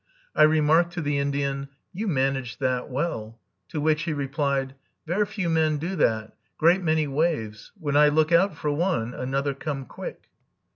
I remarked to the Indian, "You managed that well," to which he replied, "Ver few men do that. Great many waves; when I look out for one, another come quick."